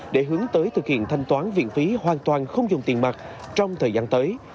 để hướng tới thực hiện thanh toán viện phí hoàn toàn không dùng tiền mặt trong thời gian tới